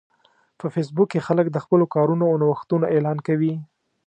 په فېسبوک کې خلک د خپلو کارونو او نوښتونو اعلان کوي